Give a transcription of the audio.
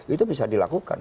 itu bisa dilakukan